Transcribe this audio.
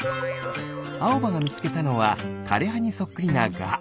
あおばがみつけたのはかれはにそっくりなガ。